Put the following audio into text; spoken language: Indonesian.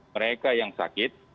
mereka yang sakit